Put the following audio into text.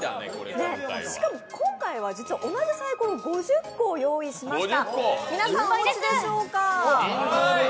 しかも今回は実は同じさいころ５０個を御用意しました。